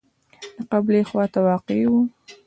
د قبلې خواته واقع و.